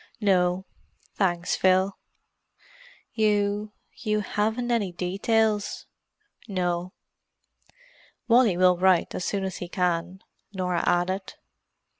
"No—thanks, Phil." "You—you haven't any details?" "No." "Wally will write as soon as he can," Norah added.